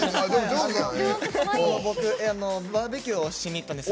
僕、バーベキューをしにいったんです。